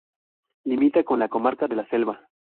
Limita con la comarca de La Selva.